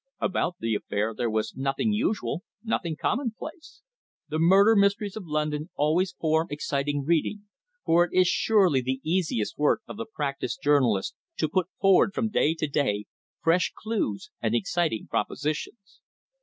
About the affair there was nothing usual, nothing commonplace. The murder mysteries of London always form exciting reading, for it is surely the easiest work of the practised journalist to put forward from day to day fresh clues and exciting propositions.